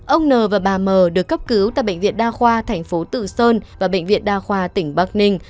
ông n và bà mờ được cấp cứu tại bệnh viện đa khoa thành phố tự sơn và bệnh viện đa khoa tỉnh bắc ninh